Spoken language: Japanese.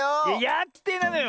やってないのよ！